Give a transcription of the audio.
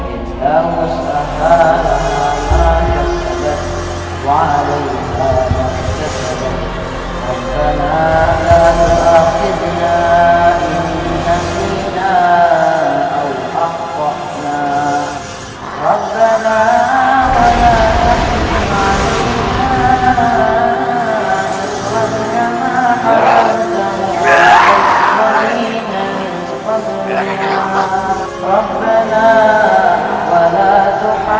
ibu bertahan bu